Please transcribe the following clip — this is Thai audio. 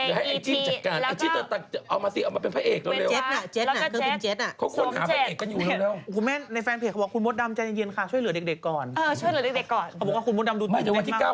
จะให้ไอ้จิ๊บจัดการไอ้จิ๊บจะเอามาสิเอามาเป็นพระเอกแล้วเร็วแล้วก็เจ็ทน่ะเจ็ทน่ะเค้าเป็นเจ็ทน่ะเค้าค้นหาพระเอกกันอยู่เร็วเร็ว